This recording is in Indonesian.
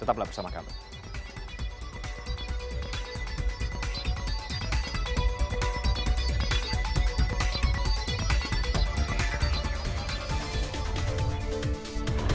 tetaplah bersama kami